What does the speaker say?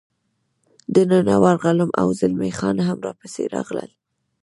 دننه ورغلم، او زلمی خان هم را پسې راغلل.